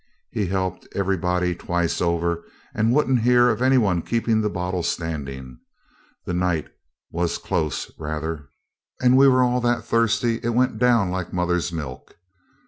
He helped everybody twice over, and wouldn't hear of any one keeping the bottle standing. The night was close rather, and we were all that thirsty it went down like mother's milk.